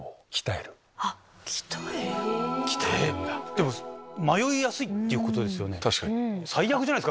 でも迷いやすいってことですよね。